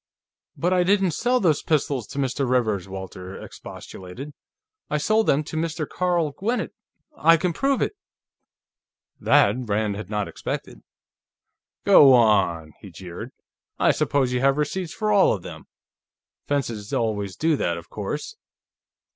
"But I didn't sell those pistols to Mr. Rivers," Walters expostulated. "I sold them to Mr. Carl Gwinnett. I can prove it!" That Rand had not expected. "Go on!" he jeered. "I suppose you have receipts for all of them. Fences always do that, of course."